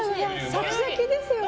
シャキシャキですよね。